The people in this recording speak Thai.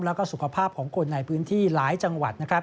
และสุขภาพของคนในพื้นที่หลายจังหวัด